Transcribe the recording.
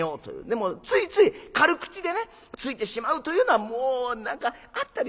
でもついつい軽口でねついてしまうというのはもう何かあったりするのかな。